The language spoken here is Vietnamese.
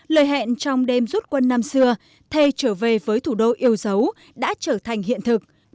lời hẹn trong đêm rút quân năm xưa thay trở về với thủ đô yêu dấu đã trở thành hiện thực